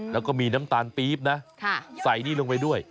แล้วก็มีน้ำตาลปี๊บนะใส่นี่ลงไปด้วย